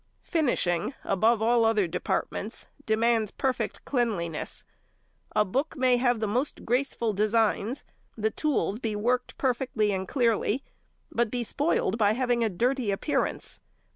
Finishing, above all other departments, demands perfect cleanliness. A book may have the most graceful designs, the tools be worked perfectly and clearly, but be spoiled by having a dirty appearance.